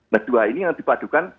nah dua ini yang dipadukan